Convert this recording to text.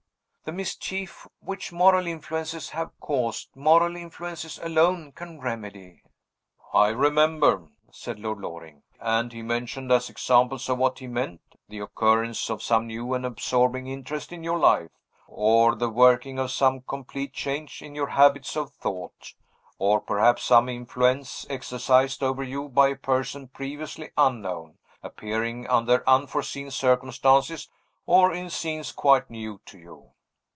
'The mischief which moral influences have caused, moral influences alone can remedy.'" "I remember," said Lord Loring. "And he mentioned, as examples of what he meant, the occurrence of some new and absorbing interest in your life, or the working of some complete change in your habits of thought or perhaps some influence exercised over you by a person previously unknown, appearing under unforeseen circumstances, or in scenes quite new to you."